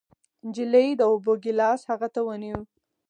نجلۍ د اوبو ګېلاس هغه ته ونيو.